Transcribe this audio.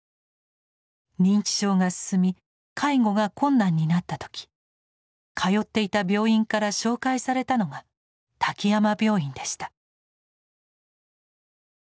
認知症が進み介護が困難になった時通っていた病院から紹介されたのが滝山病院でした。